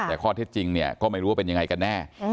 แต่ข้อเท็จจริงเนี่ยก็ไม่รู้ว่าเป็นยังไงกันแน่